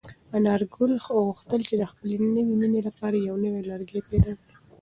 انارګل غوښتل چې د خپلې نوې مېنې لپاره یو نوی لرګی پیدا کړي.